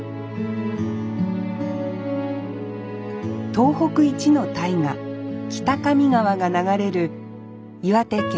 東北一の大河北上川が流れる岩手県